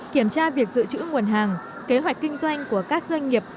kiểm tra việc dự trữ nguồn hàng kế hoạch kinh doanh của các doanh nghiệp